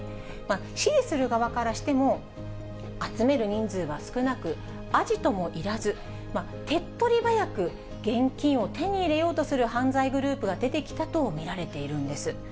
指示する側からしても、集める人数は少なく、アジトもいらず、手っとり早く現金を手に入れようとする犯罪グループが出てきたと見られているんです。